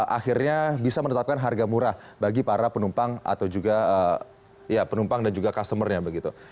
akhirnya bisa menetapkan harga murah bagi para penumpang atau juga penumpang dan juga customer nya begitu